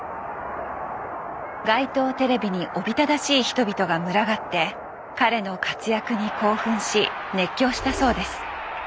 街頭テレビにおびただしい人々が群がって彼の活躍に興奮し熱狂したそうです。